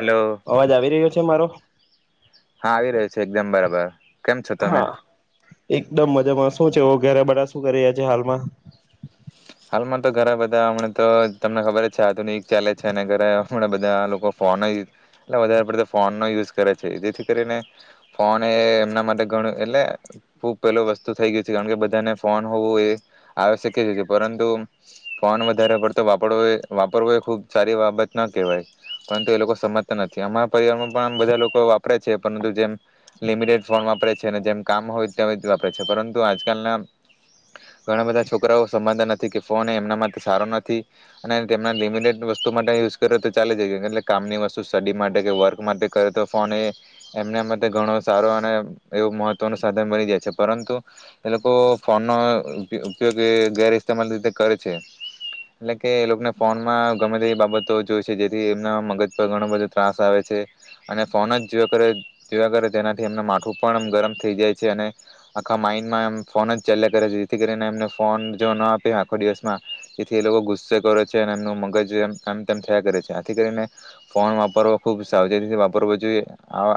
Hello, અવાજ આવી રહ્યો છે મારો હા આવી રહ્યો છે એકદમ બરાબર. બ કેમ છો તમે? હા એકદમ મજામાં શું છેવો ઘરે બધા શું કરી્યા છે હાલમાં? હાલમાં તો ઘરે બધા હમણાં તો તમને ખબર છે આધુનિક ચાલે છે અને ઘરે હમણાં બધા લોકો ફોન, એટલે વધારે પડ તો ફોનનો યુઝ કરે છે, જેથી કરીને ફોન એ એમના માટે ઘણું એટલે ખૂબ પેલું વસ્તુ થઈ ગયું છે કારણ કે બધાને ફોન હોવું એ, આવશક્ય છે કે પરંતુ, ફોન વધારે પડતો વાપરવો વાપરવો એ ખુબ સારી બાબત ના કહેવાય, પરંતુ એ લોકો સમજતા નથી આમાં પરિવારમાં પણ આમ બધા લોકો વાપરે છે પરંતુ જેમ લિમિટેડ ફોન વાપરે છે. છે ને જેમ કામ હોય ત્યારે જ વાપરે છે પરંતુ આજકાલના, ઘણા બધા છોકરાઓ સમાધાન નથી કે ફોન એ એમના માટે સારો નથી, અને તેમના લિમિટેડ વસ્તુ માટે યુઝ કરે તો ચાલે જાય એટલે કામની વસ્તુ સ્ટડી માટે કે વર્ક માટે કરે તો ફોન એ, એમના માટે ઘણો સારો અને એવો મહત્ત્વનું સાધન બની જાય છે પરંતુ, એ લોકો ફોનનો ઉપયોગ એ વગેર ઇસ્તેમાલ રીતે કરે છે, એટલે કે એ લોકોને ફોનમાં ગમે તે એવી બાબતો જોઈ છે જેથી એમના મગજ પર ઘણો બધો ત્રાસ આવે છે, અને ફોન જ જોયા કરે જોયા કરે તેનાથી એમનું માથું પણ ગરમ થઈ જાય છે અને, આખા માઇન્ડમાં એમ ફોન જ ચાલ્યા કરે છે જેથી કરીને એમને ફોન જો ના આપે આખો દિવસમાં, જેથી એ લોકો ગુસ્સે કરે છે અને એમનું મગજમ તેમ થયા કરે છે આથી કરીને, ફોન વાપરવો ખુબ સાવચેતીથી વાપરવ જોઈએ,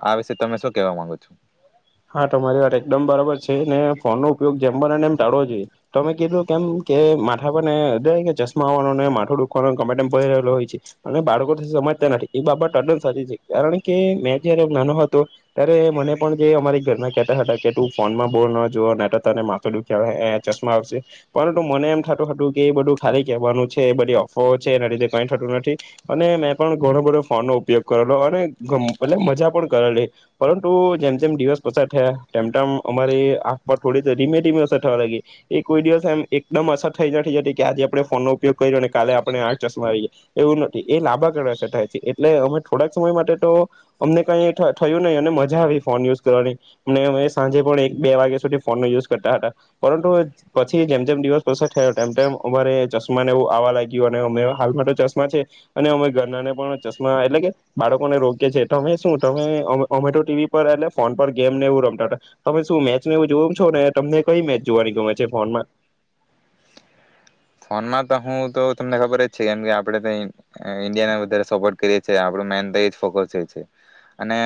આ વિષ તમે શું કેવા માંગો છો? હા તમારી વાત એકદમ બરાબર છે ને ફોનનો ઉપયોગ જેમ બનેને એમ ટાળવો જોઈએ, તમે કીધું કેમ કે માથા પર ને ચશમા આવવાનોને માથું દુખવાનોમે ભરી રહેલો હોય છે, અને બાળકો સમજતા નથી એ બાબત અદંત સાચી છે, કારણ કે મેં જયારે નાનો હતો, ત્યારે મને પણ જે અમારી હતા ફોનમાં બોલ જો તને માથે દુખ્યા આવે ચશમા આવશે, પરંતુ મને એમ થતું હતું કે એ બધું ખાલી કેવાનું છે એ બધ અફ છે એના લીધે કઈ થતું નથી, અને મેં પણ ઘણો બો ફોન નો ઉપયોગ કરેલો અને એટલે મજા પણ કરેલી, પરંતુ જેમ જેમ દિવસ અસર થયા તેમ અમારી આંમાં થોડી રીમે ધીમે અસર થવા લાગી એ કોઈ દિવસ એમ એકદમ અસર થઈ નથી જતી કે આજે આપણે ફોનનોો ઉપયોગ કરી્યો કાલે આપણે આ ચશ્મા આવી ગઈએ એવું નથી એ લાંબાગાડે અસર થાય છે એટલે અમે થોડાક સમય માટે તો અમને કઈ થયું નહીં અને મજા આવી ફોન યુઝ કરવાની. અને અમે સાંજે પણ એક બે વાગ્યા સુધી ફોન નો યુઝ કરતા હતા, પરંતુ પછી જેમ જેમ દિવસ પસાર થયો તેમ તેમ અમારે ચશ્માં ને એવું આવવા લાગ્યું અને અમે હાલમાં તો ચશ્મા છે, અને અમે ઘરનાને પણ ચશ્મા એટલે કે બાળકોને રોકીએ શું તમે ઓમેટો ટીવી પર એટલે ફોન પર ગેમ ને એવું રમતા, તમે શું મેચને એવું જોમ છો ને તમને કઈ મેચ જોવાની ગમે છે ફોનમાં. ફોનમાં તો હું તો તમને ખબર જ છે કેમ કે આપડે ઇન્ડિયાને વધારે સપોર્ટ કરીએ છે આપ મેન તો જ ફોકસ છે, અને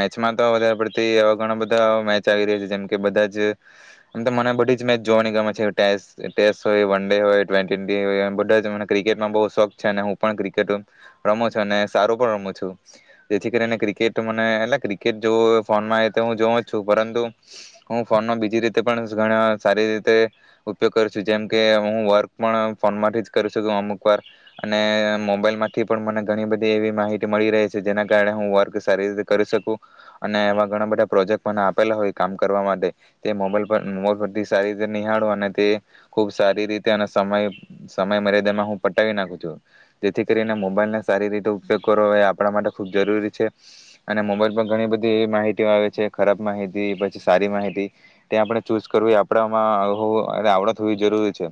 મેચમાં તો વધારે પડતી એવા ઘણા બધા મેચ આવી રહ્યા છે જેમ કે બધા જમ, તો મને બધી જ મેચ જોવાની ગમે છે ટેસ્ટ હોય વન ડે હોય બધા મને ક્રિકેટમાં બ શોખ છે અને હું પણ ક્રિકેટ રમું છું અને સારું પણ, રમું છું જેથી કરીને ક્રિકેટ મને એટ ક્રિકેટ જો ફોનમાં હું જોઉ જ છું પરંતુ હું ફોનનો બીજી રીતે પણ ઘણા સારી રીતે, ઉપયોગ કર છું જેમકે હું વર્ક પણ ફોન માંથી જ કરી શકું અમુક વાર, અને મોબાઈલ માંથી પણ મને ઘણી બધી એવી માહિતી મળી રહી છે જેના કારણે હું વર્ક સારી રીતે કરી શકું, અને એવા ઘણા બધા પ્રોજેક્ટ મને આપેલા હોય કામ કરવા માટે, તે મોબાઈલ પર મોબાઈલ પરથી સારી રીતે નિહાડુ અને તે, ખુબ સારી રીતે સમય સમય મર્યાદામાં હું પટાવી નાખું છું, જેથી કરીને મોબાઈલનો સારી રીતે ઉપયોગ કરવો એ આપણા માટે ખૂબ જરૂરી છે, અને મોબાઈલ પર ઘણી બધી માહિતી આવે છે ખરાબ માહિતી પછી સારી માહિતી, તે આપણે ચૂઝ કરવી એ આપણામાં હો આવડત હોવી જરૂરી છે.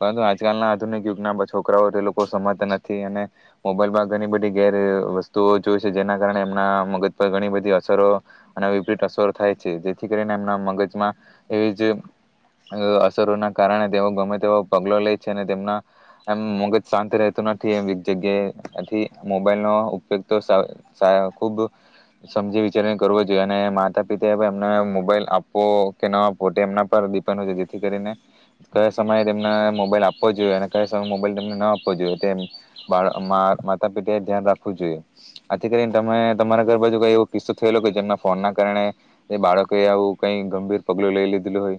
પરંતુ આજકાલના આધુનિક યુગના પર છોકરાઓ તે લોકો સમજતા નથી અને, મોબાઈલમાં ઘણી બધી ગેર વસ્તુઓ જોય છે જેના કારણે એમના મગજ પર ઘણી બધી અસરો, અને વિપરીત અસરો થાય છે, જેથી કરીને એમના મગજમાં એવી જ અસરોના કારણે તેઓ ગમે તેવા પગ લે તેમના એમ મગજ શાંત રહેતું નથી એ એક જગ્યાએ એથી મોબાઈલનો ઉપયોગ, તો ખુબ સમજી વિચારીને કરવો જોઈએ, અને માતા પિતા એમને મોબાઈલ આપવો કે ન આપવો એમના પરપન્ડ જેથી કરીને કયા સમયે તને મોબાઈલ આપવો જોઈએ અને કઈ મોબાઈલ તને ન આપવો જોઈએ માતા પિતા એ ધ્યાન રાખવું જોઈએ આથી કરીનેમે તમારા ઘર બાજુ કઈ એવો કિસ્સો થયેલો કે જેમના ફોન ના કારણે બાળકો આવું કઈ ગંભીર પગલું લઈ લીધેલું હોય.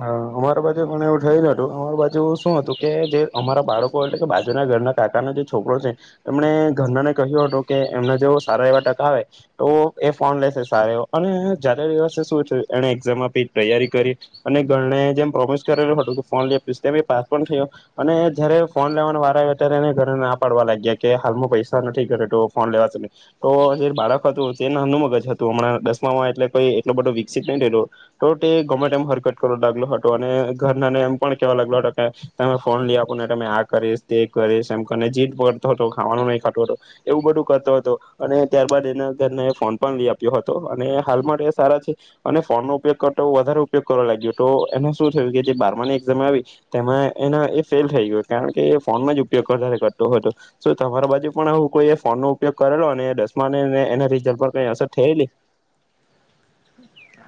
હ અમારા બાજુ પણ એવું થય ન હતું, અમારી બાજુ શું હતું કે જે અમારા બાળકો એટલે કે બાજુના ઘરના કાકાના જે છોકરો છે એમને ઘરના ને કહ્યું હતું કે એમને જે સારા એવા ટકા આવે તો એ ફોન લેશે સારા એ અને જાતે દિવસે શું છે એને એઝામમાં તૈયારી કરી અને ઘરને જેમ પ્રોમિસ કરેલું હતું કે ફોન લ આપી તેમ પાસ પણ થયો, અને જયારે ફોન લેવાનો વાર આવ ત્યારે એને ઘરે ના પાડવા લાગ્યા કે હાલમાં પૈસા નથી ઘરે ફોન લેવાને, તો જે બાળક હતું તેને હનુ મગજ હતું હમણાં દસમામાં એટલે કોઈ એટલો બધો વિકસિત નહી થલો, તો તે ગમે લ હતો અને ઘરનાને એમ પણ કેવા લાગલો હતો કે, તમે ફોન લઈ આપો ને તમે આ કરીશ તે કરીશ એમ જીત પકડતો હતો ખાવાનો નહી ખાતો હતો, એવું બધું કરતો હતો અને ત્યારબાદ એના ઘરને એ ફોન પણ લઈ આપ્યો હતો, અને હાલ માટે સારા છે અને ફોન નો ઉપયોગ કરતો વધારે ઉપયોગ કરવા લાગ્યો તો એને શું થયું કે જે બારમાની એઝામ આવી, તેમાં એના એ ફેલ થઈ ગયો કારણ કે એ ફોનમાં જ ઉપયોગ કર કરતો હતો, તમારા બાજુ પણ હું કોઈ ફોન નો ઉપયોગ કરેલો અને દસમા એના રિઝલ્ટ પર કઈ અસર થયેલી?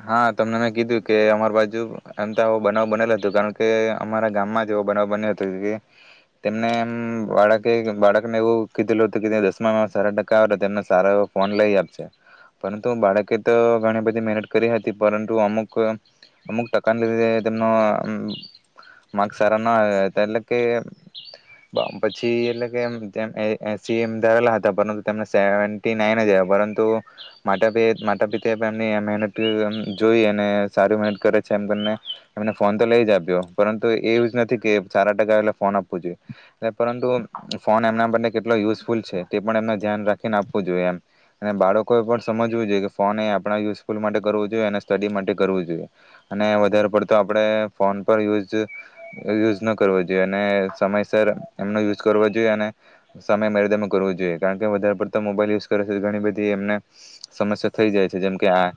હા તમને મેં કીધું કે અમાર બાજુ એમ તો આવો બનાવ બનેલો હતો કારણ કે અમારા ગામમાં જ એવો બનાવ બન્યો હતો, તેમને એમ બાળકે બાળકને એવું કીધેલું હતું કે દસમા સારા ટકા આવે તેમને સારો એવો ફોન લઈ આપશે, પરંતુ બાળકે તો ઘણી બધી મહેનત કરી હતી પરંતુ અમુક અમુક ટકાને લીધે તેમનો માર્ક સારા, ન આવ્યા હતા એટલે કે પછી એટલે કે જેમ એસી એમ ધરેલા હતા પરંતુ તેમને સેવન્ટી નાઇન જ આવ પરંતુ, મા પ માતા પિતા એમની મહેનત જોઈ અને સારી મહેનત કરે છે એમ તને એમને ફોન તો લઈ જ આપ્યો, પરંતુ એ જ નથી કે સારા ટકા એટ ફોન આપવો જોઈએ પરંતુ ફોન એમના માટે કેટલો યુઝફુલ છે, તે પણ એમને ધ્યાન રાખીને આપવું જોઈએ એમ અને બાળકોએ પણ સમજવું જોઈએ કે ફોન એ આપણા યુઝફુલ માટે જોઈએ અને સ્ટડી માટે કરવું જોઈએ, અને વધારે પડતો આપણે ફોન પર યુઝ યુઝ ન કરવો જોઈએ અને સમયસર એમનો યુઝ કરવો જોઈએ અને, સમય મેરેદમાં કરવો જોઈએ કારણ કે વધારે પડતો મોબાઈલ યુઝ કરે ઘણી બધી એમને, સમસ્યા થઈ જાય છે જેમકે આ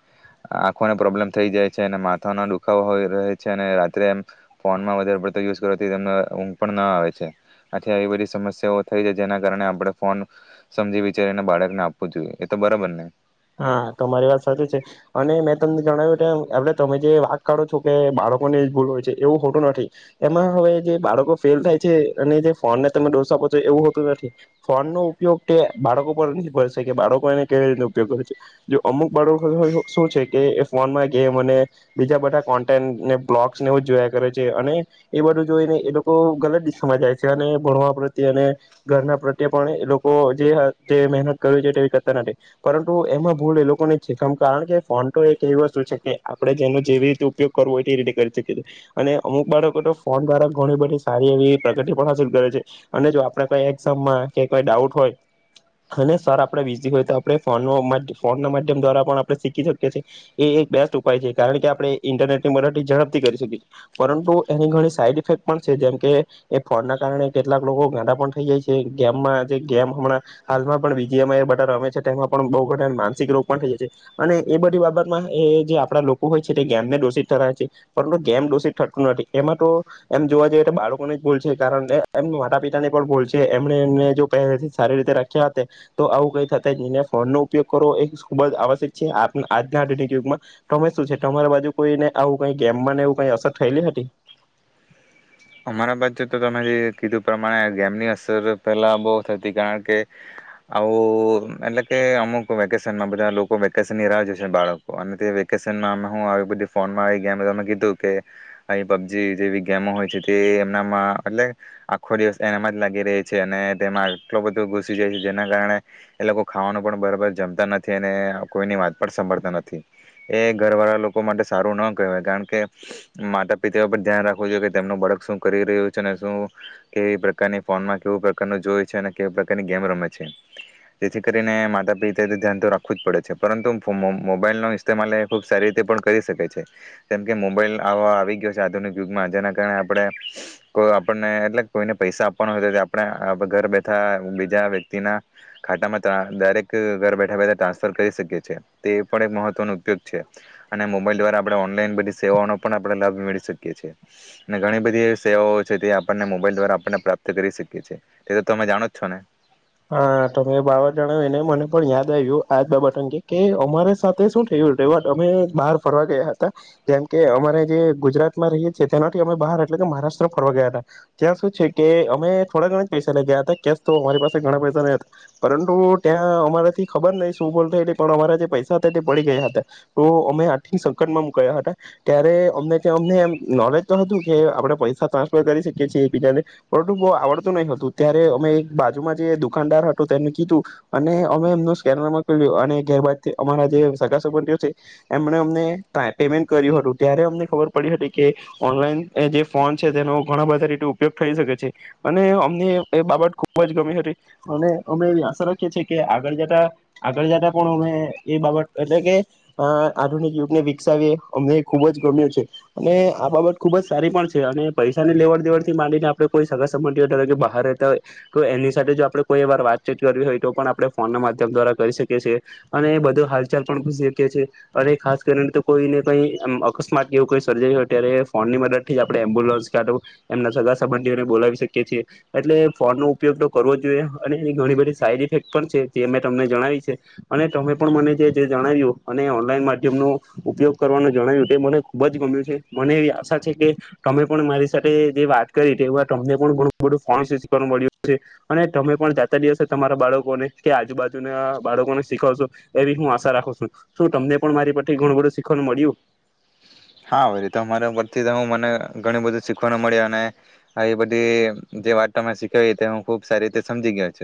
આંખોને પ્રોબ્લેમ થઈ જાય છે અને માથાનો દુખાવો હોય રહે છે અને રાત્રે એમ, ફોનમાં વધારે પડતો યુઝ કરને ઊંઘ પણ ના આવે છે, આથી આવી બધી સમસ્યાઓ થઈ જાય જેના કારણે આપણે ફોન, સમજી વિચારીને બાળકને આપવું જોઈએ એ તો બરાબર ને. હા તોરી વાત સાચી છે, અને મેં તમને જણાવ્યું કે આપડ તમે જે વાક કાઢો છો કે બાળકોને ભૂલ હોય છે એવું હોતું નથી, એમાં હવે જે બાળકો ફેલ થાય છે અને જે ફોન ને તમે ડોસા આપો છો એવું હોતું નથી, ફોન નો ઉપયોગ તે બાળકો પર ભશે કે બાળકો એને કેવી રીતે જો અમુક બાળકો શું છે કે ફોનમાં ગેમ અને, બીજા બધા કોન્ટેન્ટને બ્લોગસનેવ જોયા કરે છે, અને એ બધું જોઈને એ લોકો ગલત દિશામાં જાય છે અને ભણવા પ્રત્યે અને, ઘરના પ્રત્યે પણ એ લોકો જે મહેનત કર છે તેવી કરતા નથી. પરંતુ એમાં ભૂલ એ લોકોની છેમ કારણ કે ફોન તો એક એવી વસ્તુ છે કે આપણે જેનો જેવી રીતે ઉપયોગ કરવો હોય તે રીતે કરી શકીએ, છએ અને અમુક બાળકો તો ફોન દ્વારા ઘણી બધી સારી એવી પ્રગતિ પણ હાસિલ કરે છે, અને જો આપણે કઈ એક્ઝામમાં કેઈ ડાઉટ હોય, અને સર આપણે બીઝી હોય તો આપ ફ ફોન ના માધ્યમ દ્વારા પણ આપણે શીખી શકીએ છીએ, એ એક બેસ્ટ ઉપાય છે કારણ કે આપણે ઇન્ટરનેટ ની મદ ઝડપથી કરી શકીએ છીએ, પરંતુ એની ઘણી સાઈડ ઇફેક્ટ પણ છે જેમકે, એ ફોનના કારણે કેટલાક લોકો ગાડાા પણ થઈ જાય છે ગેમમાં જે ગેમ હમણાં હાલમાં, પણ બીજીમાં બા રમે છે. પણ બહ ઘા માનસિક રોગ પણ થઈ જાય છે, અને એ બધી બાબતમાં એ જે આપડા લોકો હોય છે તે ગેમને દોષિત થરા છે, પરંતુ ગેમ દોષિત થતું નથી એમાં તો એમ જોવા જઈએ તો બાળકોને જ ભૂલ છે કારણ એમ માતા પિતા ને પણ ભૂલ છે એમને એને પહે સારી રીતે રાખ્યા હતા, તો આવું કઈ ફોન નો ઉપયોગ કરવો એ ખુબ જ આવશ્યક છે. આજના આયુગમાં તમે શું છે તમારી બાજુ કોઈને આવું કઈ ગેમમાંને એવું કઈ અસર થયેલી હતી? અમારા બાચ તો તમે જે કીધું પ્રમાણે ગેમની અસર પેલા બહુ થતી કારણ કે આવું એટલે કે અમુક વેકેશનમાં બધા લોકો વેકેશનનીરાહ જો છે બાળકો અને તે વેકેશનમાંમે હ આવી બધી ફોનમાં આવી ગેમે કીધું કે અહી પબજી જેવી ગેમો હોય છે એટલે આખો દિવસ એનામાં જ લાગી રહી છે અને તેમાં આટલો બધો ઘુસી જાય છે જેના કારણે એ લોકો ખાવાનું પણ બરાબર જમતા નથી અને કોઈની વાત પણ સાંભળતા નથી એ ઘરવાળા લોકો માટે સારું ન કહેવાય કારણ કે માતા પિતા પર ધ્યાન રાખવું જોઈએ કે તેમનું બળક શું કરી રહ્યું છે અને શું કેવી પ્રકારની ફોનમાં કેવું પ્રકારનું જોય છે અને કેવી પ્રકારની ગેમ રમે છે જેથી કરીને માતા પિતા ધ્યાન તો રાખવું જ પડે છે પરંતુ મોબાઈલનો ઇસ્તેમાલ એ ખૂબ સારી રીતે પણ કરી શકે છે. જેમ કે મોબાઈલ આો આવી ગયો છે આધુનિક યુગમાં જેના કારણે આપ કો આપને એટલે કોઈને પૈસા આપવાનો હોય તો આપણે ઘર બેઠા બીજા વ્યક્તિના ખાતામાં દરેક ઘર બેઠા બેઠા ટ્રાન્સફર કરી શકીએ છીએ તે પણ એક મહત્વનો ઉપયોગ છે અને મોબાઈલ દ્વારા આપણે ઓનલાઈન બધી સેવાનો પણ આપ લાભ મેળી શકીએ છી. અને ઘણી બધી સેવાઓ છે તે આપણને મોબાઈલ દ્વારા આપણને પ્રાપ્ત કરી શકીએ છીએ તે તો તમે જાણો જ છો ને? હા તમે બાવર જણાવ્યુંને મને પણ યાદ આવ્યું આજ બાબત અંગે કે અમારે સાથે શું થયું રેવ અમે બહાર ફરવા ગયા હતા જેમ કે અમારે જે ગુજરાત માં રહીએ છીએ તેનાથી અમે બહાર એટલે કે મહારાષ્ટ્ર ફરવા ગયા હતા ત્યાં સુું છે કે અમે થોડા ઘણા જ પૈસા લઇ ગયા હતા કેશ તો અમારી પાસે ધણા પૈસા ન હતા પરંતુ ત્યાં અમારાથી ખબર નહ શું બોલલી પણ અમારા જે પૈસા હતા તે પડી ગયા હતા તો અમે આટ સંકટમાં કયા હતા ત્યારે અમને ત અમને નોલેજ તો હતું કે આપડણે પૈસા ટ્રાન્સફર કરી શકી છીએ એકબીજાને પરંતુ બહુ આવડતું નહી હતું ત્યારે અમે એક બાજુમાં જે દુકાનદાર હતું તેને કીધું અને અમે એમનું સ્કેનરમાંયું અને ગેરબદ અમારા જે સગાાસબંધઓ છે એમને અમને પેમેન્ટ કર્યું હતું ત્યારે અમને ખબર પડી હતી કે ઓનલાઈન જે ફોન છે તેનો ઘણા બધા રીતે ઉપયોગ થઈ શકે છે અને અમને એ બાબત ખ ખુબ જ ગમી હતી અને અમે આશા રાખીએ છીએ કે આગળ જતા આગળ જતા પણ અમે એ બાબત એટલે કે આધુનિક યુગને વિકસાવીએ અમને ખુબ જ ગમ્યું છે અને આ બાબત ખુબ જ સારી પણ છે અને પૈસાની લેવડ દેવડ થી માંડીને આપણે કોઈ સગા સંબંધ કે બહાર રહેતા હોય તો એની સાથે જો આપડે કોઈ વાર વાતચીત કરવી હોય તો પણ આપણે ફોન ના માધ્યમ દ્વારા કરી શકીએ છીએ અને બધો હાલચાલ પણ પૂ શકીએ છીએ અને ખાસ કરીને તો કોઈને કઈ અકસ્માત કેવું કોઈ સર્જરી હોય ત્યારે ફોનની મદદ થી જ આપણે એમ્બ્યુલન્સ ક એમના સગા સંબંધીઓને બોલાવી શકીએ છીએ એટલે ફોનનું ઉપયોગ તો કરવો જોઈએ અને એ ઘણી બધી સાઈડ ઇફેક્ટ પણ છે જે મેં તમને જણાવી છે અને તમે પણ મને જે જણાવ્યું અને ઓનલાઈન માધ્યમનો ઉપયોગ કરવાનું જણાવ્યું તે મને ખુબ જ ગમ્યું છે. મને એવી આશા છે કે તમે પણ મારી સાથે જે વાત કરી તે તમને પણ ઘણું બધું ફચ મળ્યું અને તમે પણ જાતા દિવસે તમારા બાળકોને કે આજુબાજુના બાળકોને શીખશો એવી હું આશા રાખું છું. શું તમને પણ મારી પરથી ઘણું બધું શીખવાનું મળ્યું? હા તો મારા ઉપર થી હું મને ઘણું બધું શીખવાનું મળ્યું અને આ બધી જે વાત મે શીખ તે હ ખુબ સારી રીતે સમજી ગયો છ.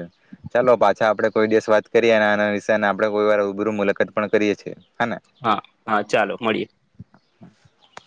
ચાલો પાછા આપડે કોઈ દિવસ વાત કરીએ અને આના વિશે આપણે કોઈ વાર રૂબરૂ મુલાકાત પણ કરીએ છીએ. હા હા ચાલો મળીએે. [inaudible]